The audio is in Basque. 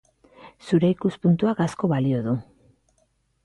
Zure ikuspuntuak asko balio du.